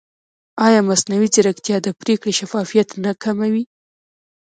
ایا مصنوعي ځیرکتیا د پرېکړې شفافیت نه کموي؟